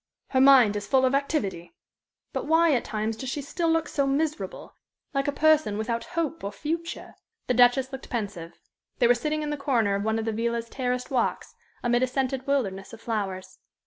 "Her mind is full of activity. But why, at times, does she still look so miserable like a person without hope or future?" The Duchess looked pensive. They were sitting in the corner of one of the villa's terraced walks, amid a scented wilderness of flowers.